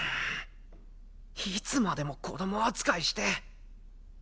いつまでも子ども扱いして！